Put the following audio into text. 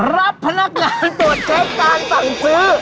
รับพนักงานตรวจเช็คการสั่งซื้อ